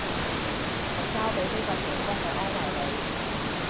係交俾呢個姐姐去安慰你